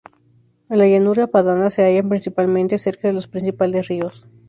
En la llanura padana se hallan principalmente cerca de los principales ríos.